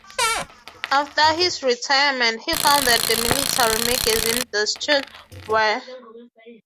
After his retirement he founded the military magazine "Deutsche Wehr".